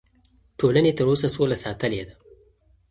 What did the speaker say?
ټولنې تر اوسه سوله ساتلې ده.